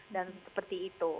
dan seperti itu